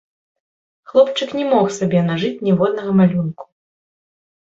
Хлопчык не мог сабе нажыць ніводнага малюнку.